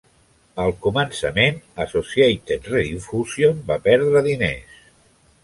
Al començament, Associated Rediffusion va perdre diners.